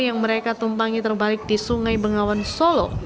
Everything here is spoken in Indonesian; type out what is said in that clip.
yang mereka tumpangi terbalik di sungai bengawan solo